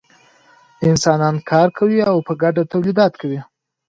انسانان کار کوي او په ګډه تولیدات کوي.